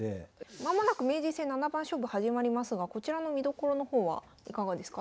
間もなく名人戦七番勝負始まりますがこちらの見どころの方はいかがですか？